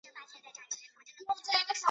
今天它供维尔纽斯的波兰人使用。